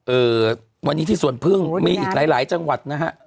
เออวันนี้ที่สวนพึงมีอีกหลายจังหวัด